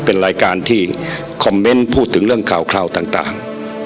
เป็นรายการที่คอมเมนต์พูดถึงเรื่องข่าวต่าง